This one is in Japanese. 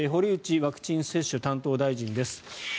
堀内ワクチン接種担当大臣です。